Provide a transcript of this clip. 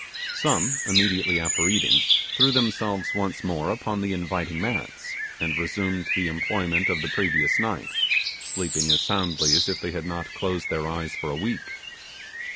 Some, immediately after eating, threw themselves once more upon the inviting mats, and resumed the employment of the previous night, sleeping as soundly as if they had not closed their eyes for a week.